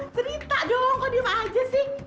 cerita dong kok diam aja